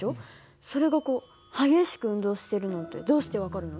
それがこう激しく運動してるなんてどうして分かるの？